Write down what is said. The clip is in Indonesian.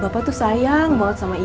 bapaknya gak mau nyanyi